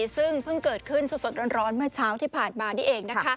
ซึ่งเพิ่งเกิดขึ้นสดร้อนเมื่อเช้าที่ผ่านมานี่เอง